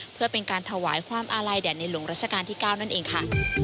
เพื่อเป็นการถวายความอาลัยแด่ในหลวงราชการที่๙นั่นเองค่ะ